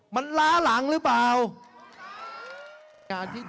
มันล้าหลังหรือเปล่า